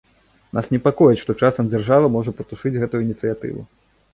Нас непакоіць, што часам дзяржава можа патушыць гэтую ініцыятыву.